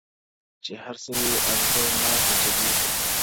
• چي هر څه مي وي آرزو ناز مي چلیږي ,